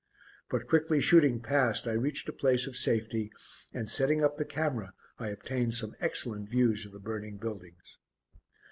But, quickly shooting past, I reached a place of safety, and setting up the camera I obtained some excellent views of the burning buildings.